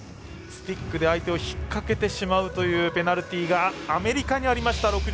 スティックで相手を引っ掛けてしまうというペナルティーがアメリカにありました。